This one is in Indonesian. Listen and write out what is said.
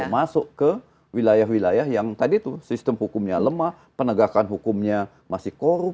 masuk ke wilayah wilayah yang tadi itu sistem hukumnya lemah penegakan hukumnya masih korup